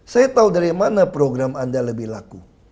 saya tahu dari mana program anda lebih laku